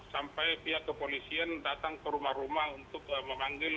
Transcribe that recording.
sampai pihak kepolisian datang ke rumah rumah untuk memanggil